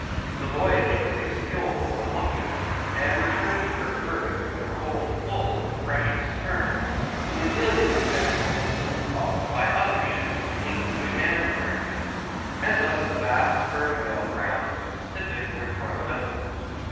The voyage was a skilful and lucky one; and returning to her berth with her hold full of the precious sperm, the Amelia's example was soon followed by other ships, English and American, and thus the vast Sperm Whale grounds of the Pacific were thrown open.